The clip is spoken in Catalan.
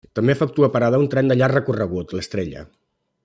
També efectua parada un tren de Llarg Recorregut, l'Estrella.